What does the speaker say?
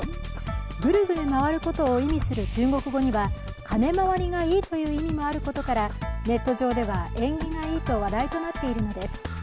ぐるぐる回ることを意味する中国語には金回りがいいという意味もあることからネット上では縁起がいいと話題となっているのです。